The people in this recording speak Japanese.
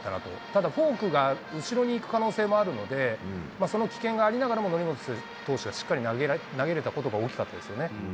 ただフォークが後ろに行く可能性もあるので、その危険がありながらも、則本投手はしっかり投げれたことが大きかったですよね。